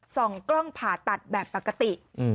กล่องกล้องผ่าตัดแบบปกติ